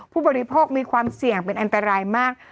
ผู้บริโภคมีความเสี่ยงเป็นอันตรายมาก